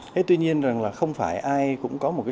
thế tuy nhiên rằng là không phải ai cũng có một cái